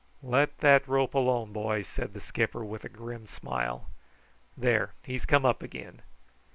"Let that rope alone, boy," said the skipper with a grim smile. "There, he's come up again.